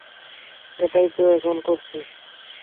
এটাইতো এখন করছি।